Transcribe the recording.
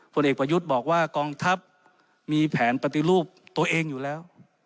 ผลเอกประยุทธ์บอกว่ากองทัพมีแผนปฏิรูปตัวเองอยู่แล้ว